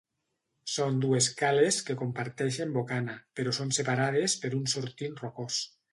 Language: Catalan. Són dues cales que comparteixen bocana però són separades per un sortint rocós.